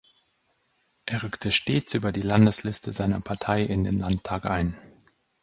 Er rückte stets über die Landesliste seiner Partei in den Landtag ein.